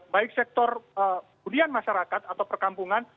baik sektor budian masyarakat atau perkampungan